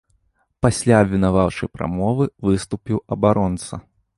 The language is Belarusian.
Пасля абвінаваўчай прамовы выступіў абаронца.